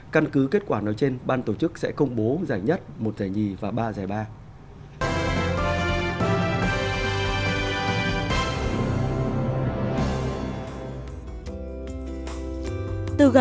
căn cứ kết quả nói trên ban tổ chức sẽ công bố giải nhất một giải nhì và ba giải ba